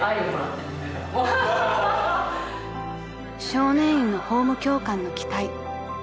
［少年院の法務教官の期待］